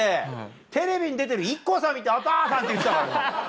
テレビに出てるＩＫＫＯさん見て「お父さん」って言ってたから。